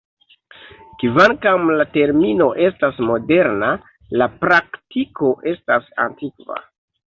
Kvankam la termino estas moderna, la praktiko estas antikva.